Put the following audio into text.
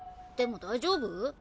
でも大丈夫？